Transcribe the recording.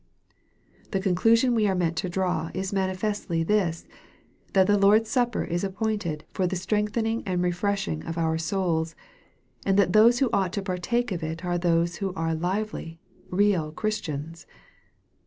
The conclusion we are meant to draw, is manifestly this, that the Lord's supper is appointed for " the strengthening and refreshing of our souls," and that those who ought to partake of it are those who are lively, real Christians.